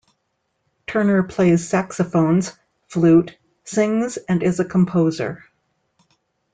Turner plays saxophones, flute, sings and is a composer.